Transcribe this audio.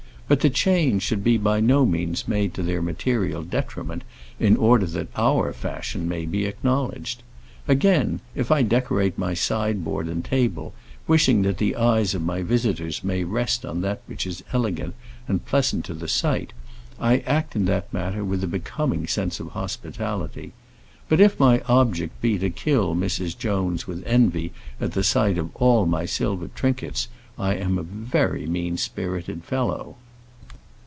But the change should by no means be made to their material detriment in order that our fashion may be acknowledged. Again, if I decorate my sideboard and table, wishing that the eyes of my visitors may rest on that which is elegant and pleasant to the sight, I act in that matter with a becoming sense of hospitality; but if my object be to kill Mrs. Jones with envy at the sight of all my silver trinkets, I am a very mean spirited fellow.